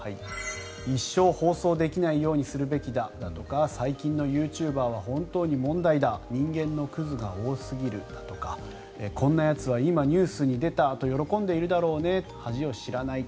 一生放送できないようにするべきだだとか最近のユーチューバーは本当に問題だ人間のくずが多すぎるだとかこんなやつは今、ニュースに出たと喜んでいるだろうねと恥を知らない